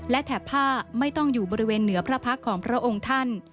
และแถบผ้าไม่ต้องอยู่บริเวณเหนือพระพักษ์ของพระองค์ท่าน